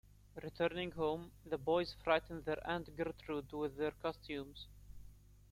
Returning home, the boys frighten their Aunt Gertrude with their costumes.